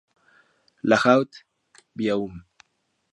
La Haute-Beaume